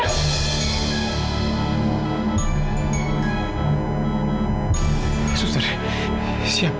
susar siapkan siapkan alat ini cepat